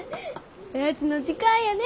おやつの時間やね。